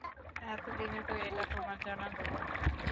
এত দিনে তো এটা তোমার জানার কথা।